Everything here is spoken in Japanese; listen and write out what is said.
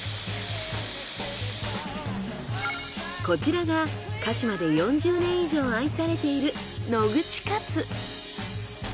こちらが鹿嶋で４０年以上愛されている野口カツ。